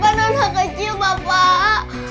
bukan anak kecil bapak